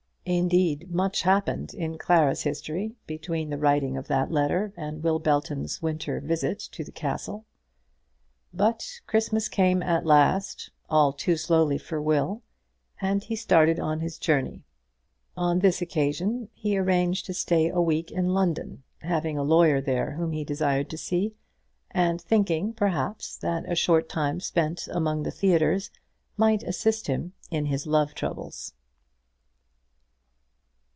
Indeed, much happened in Clara's history between the writing of that letter and Will Belton's winter visit to the Castle. But Christmas came at last, all too slowly for Will; and he started on his journey. On this occasion he arranged to stay a week in London, having a lawyer there whom he desired to see; and thinking, perhaps, that a short time spent among the theatres might assist him in his love troubles.